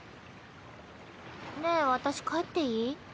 ねえ私帰っていい？